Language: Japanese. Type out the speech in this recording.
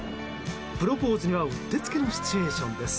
プロポーズにはうってつけのシチュエーションです。